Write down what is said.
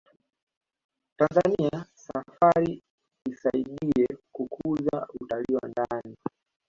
tanzania safari insaidia kukuza utalii wa ndani